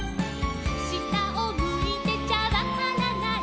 「したをむいてちゃわからない」